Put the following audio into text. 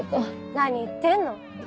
何言ってんの！